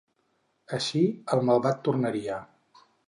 Així el malvat tornaria.